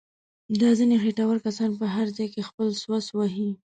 دا ځنیې خېټور کسان په هر ځای کې خپل څوس وهي.